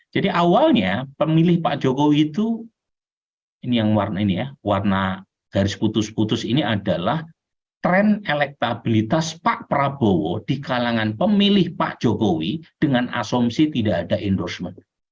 jadi awalnya pemilih pak jokowi itu ini yang warna ini ya warna garis putus putus ini adalah tren elektabilitas pak prabowo di kalangan pemilih pak jokowi dengan asumsi tidak ada endorsement